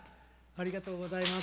ありがとうございます。